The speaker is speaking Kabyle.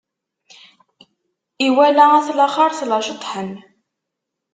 Iwala at laxeṛt la ceṭṭḥen.